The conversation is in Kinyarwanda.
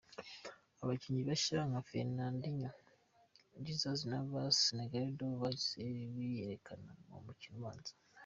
Abakinnyi bashya nka Fernandihno, Jesus Navas, Negredo bahise biyerekana mu mukino ubanza.